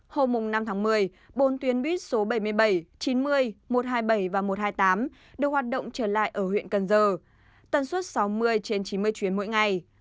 hôm năm tháng một mươi bốn tuyến buýt số bảy mươi bảy chín mươi một trăm hai mươi bảy và một trăm hai mươi tám được hoạt động trở lại ở huyện cần giờ tân suất sáu mươi trên chín mươi chuyến mỗi ngày